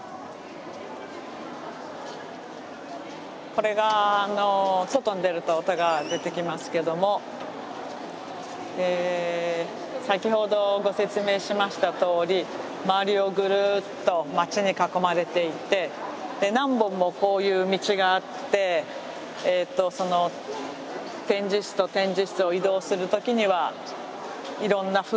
これが外に出ると音が出てきますけども先ほどご説明しましたとおり周りをぐるっと街に囲まれていて何本もこういう道があってその展示室と展示室を移動する時にはいろんな風景が見えます。